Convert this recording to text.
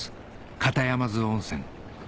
片山津温泉